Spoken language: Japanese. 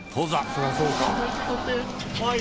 「そりゃそうか！」